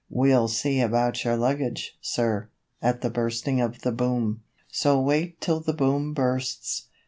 We'll see about your luggage, sir' at the Bursting of the Boom. So wait till the Boom bursts!